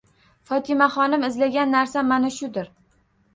Fotimaxonim izlagan narsa mana shudir.